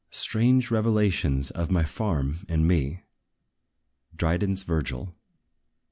Strange revolutions of my farm and me." DRYDEN'S VIRGIL.